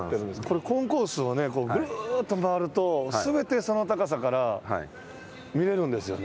これコンコースをぐるっと回ると、すべてその高さから見れるんですよね。